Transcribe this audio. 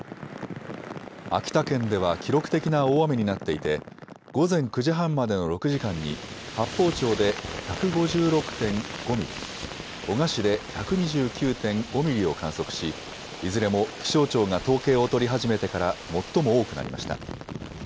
秋田県では記録的な大雨になっていて午前９時半までの６時間に八峰町で１５６．５ミリ、男鹿市で１２９．５ミリを観測しいずれも気象庁が統計を取り始めてから最も多くなりました。